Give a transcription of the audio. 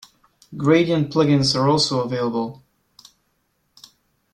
Gradient plug-ins are also available.